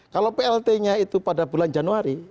kalau plt nya itu pada bulan januari